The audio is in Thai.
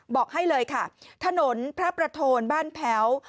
บอกให้เลยค่ะถนนพระประโทนบ้านแพ้ว